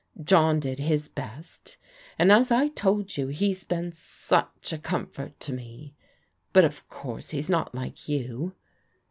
John did his best, and as I told you, he's been such a comfort to me, but of course he's not like you.